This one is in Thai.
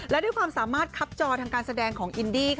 และด้วยความสามารถคับจอทางการแสดงของอินดี้